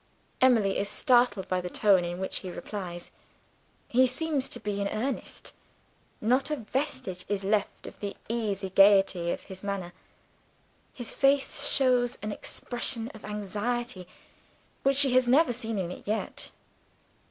Emily is startled by the tone in which he replies. He seems to be in earnest; not a vestige is left of the easy gayety of his manner. His face shows an expression of anxiety which she has never seen in it yet.